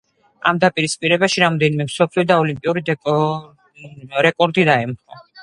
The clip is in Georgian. ამ დაპირისპირებაში რამდენიმე მსოფლიო და ოლიმპიური რეკორდი დაემხო.